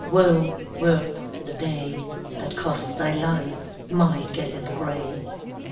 Wo worth the day, That cost thy life, my gallant grey!"